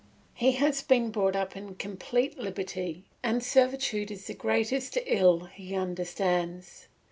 He has been brought up in complete liberty and servitude is the greatest ill he understands.